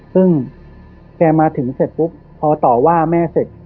ซึ่งแกมาถึงเสร็จปุ๊บพอต่อว่าแม่เสร็จ